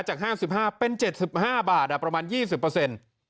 จาก๕๕เป็น๗๕บาทประมาณ๒๐